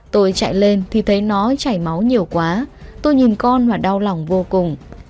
tôi chạy lên thì thấy nó chảy máu nhiều quá tôi nhìn con và đau lòng vô cùng